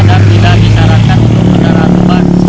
dan tidak disarankan untuk kendaraan lebat